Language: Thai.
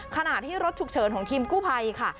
ขณะที่รถฉุกเฉินของทีมกู้ภัยค่ะ